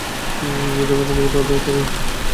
আমার পছন্দমতো অর্ডার করি।